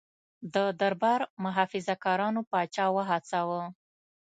د دربار محافظه کارانو پاچا وهڅاوه.